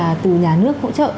và từ nhà nước hỗ trợ